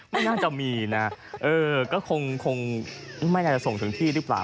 ไม่น่าจะมีนะเออก็คงไม่น่าจะส่งถึงที่หรือเปล่า